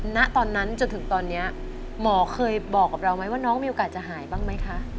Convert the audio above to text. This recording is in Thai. ณตอนนั้นจนถึงตอนนี้หมอเคยบอกกับเราไหมว่าน้องมีโอกาสจะหายบ้างไหมคะ